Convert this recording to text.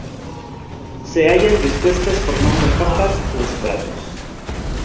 Se hallan dispuestas formando capas o estratos.